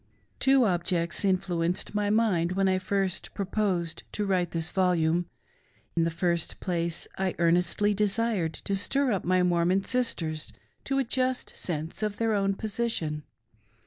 Two objects influenced my mind when I first proposed to write this volume. In the first place, I earnestly desired to stil up my Mormon sisters to a just sense of their own posi tion.